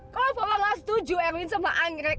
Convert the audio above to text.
kalau papa nggak setuju erwin sama anggrek